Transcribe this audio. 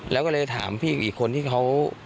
แล้วก็เลยถามพี่อีกคนที่เขา